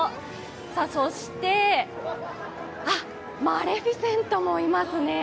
そして、マレフィセントもいますね。